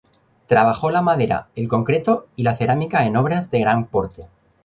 Trabajó la madera, el concreto y la cerámica en obras de gran porte.